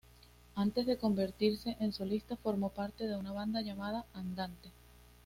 Antes de convertirse en solista, formó parte de una banda llamada Andante.